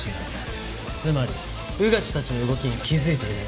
つまり穿地たちの動きに気づいていない。